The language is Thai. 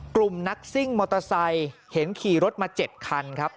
กลุ่มนักซิ่งมอเตอร์ไซค์เห็นขี่รถมา๗คันครับ